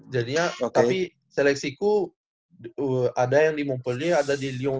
jadi ya tapi seleksiku ada yang di montpellier ada yang di lyon